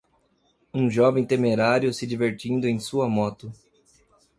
Um jovem temerário se divertindo em sua moto.